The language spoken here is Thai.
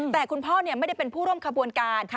แต่คุณพ่อไม่ได้เป็นผู้ร่วมขบวนการ